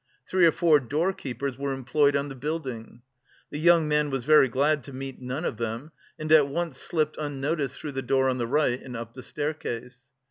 Three or four door keepers were employed on the building. The young man was very glad to meet none of them, and at once slipped unnoticed through the door on the right, and up the staircase.